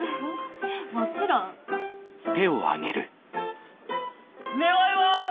もちろん。願います！